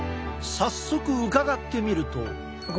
早速伺ってみると。